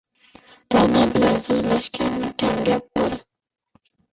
Dono bilan so‘zlashganda kam gap bo‘l.